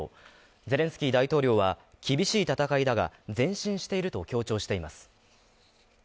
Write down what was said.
ゼレンスキー大統領は厳しい戦いだが、前進していると強調しています。